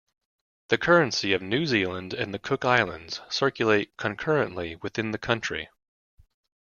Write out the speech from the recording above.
The currency of New Zealand and the Cook Islands circulate concurrently within the country.